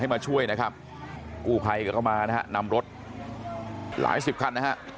มาช่วยนะครับกู้ภัยก็เข้ามานะฮะนำรถหลายสิบคันนะฮะ